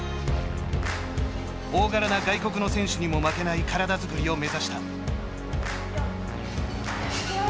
大柄な外国の選手にも負けない体作りを目指した。